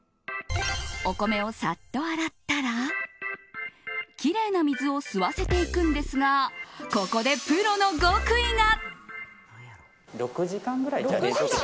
お米をサッと洗ったらきれいな水を吸わせていくんですがここでプロの極意が。